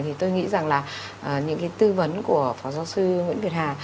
thì tôi nghĩ rằng là những cái tư vấn của phó giáo sư nguyễn việt hà